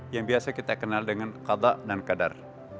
yang biasa kita kenal dengan kadak dan kadar